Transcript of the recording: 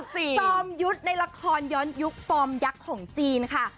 จอมยุทธ์ในละครย้อนยุคฟอร์มยักษ์ของจีนค่ะ